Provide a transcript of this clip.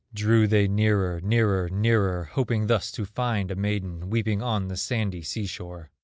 Drew they nearer, nearer, nearer, Hoping thus to find a maiden Weeping on the sandy sea shore.